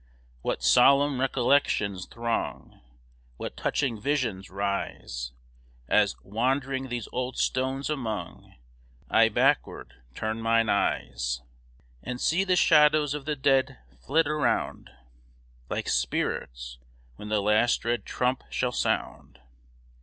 What solemn recollections throng, What touching visions rise, As, wandering these old stones among, I backward turn mine eyes, And see the shadows of the dead flit round, Like spirits, when the last dread trump shall sound.